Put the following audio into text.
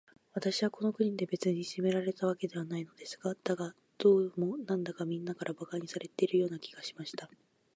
私はこの国で、別にいじめられたわけではないのです。だが、どうも、なんだか、みんなから馬鹿にされているような気がしました。